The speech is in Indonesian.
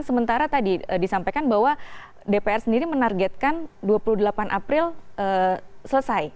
sementara tadi disampaikan bahwa dpr sendiri menargetkan dua puluh delapan april selesai